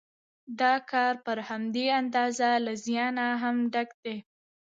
دا کار پر همدې اندازه له زیانه هم ډک دی